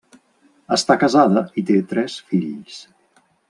Està casada i té tres fills.